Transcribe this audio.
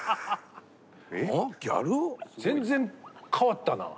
全然変わったな。